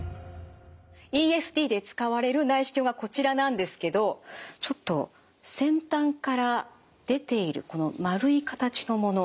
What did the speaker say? ＥＳＤで使われる内視鏡がこちらなんですけどちょっと先端から出ているこの丸い形のもの。